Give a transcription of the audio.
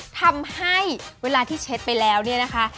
ทำให้เวลาที่เช็ดไปแล้วเนี่ยนะคะ